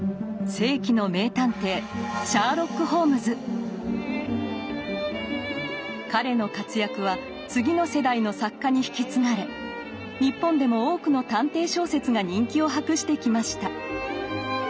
世紀の名探偵彼の活躍は次の世代の作家に引き継がれ日本でも多くの探偵小説が人気を博してきました。